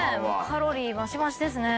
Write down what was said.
カロリー増し増しですね。